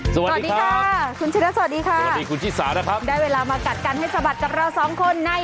สวัสดีค่ะสวัสดีคุณชิสานะครับได้เวลามากัดกันให้สะบัดกับเราสองคนใน